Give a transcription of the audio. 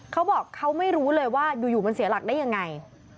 เขาบอกเขาไม่รู้เลยว่าอยู่มันเสียหลักได้ยังไง